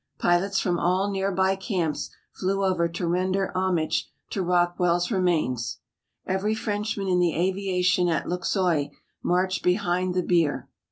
Pilots from all near by camps flew over to render homage to Rockwell's remains. Every Frenchman in the aviation at Luxeuil marched behind the bier.